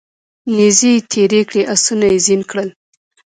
نیزې یې تیرې کړې اسونه یې زین کړل